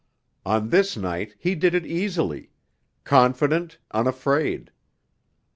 On this night he did it easily confident, unafraid.